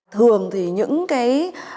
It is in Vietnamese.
thường thì những cái